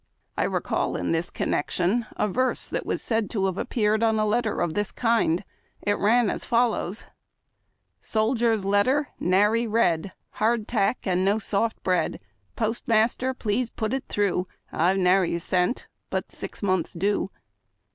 I recall in this connec tion a verse that was said to have appeared on a letter of this kind. It ran as follows :— Soldier's letter, nary red, Hardtack and no soft bread, Postmaster, please put it through, I've nary cent, but six months due.